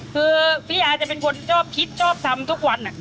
คือพี่อาจะเป็นคนชอบคิดชอบทำทุกวัน